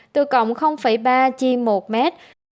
từ cộng ba chi một mét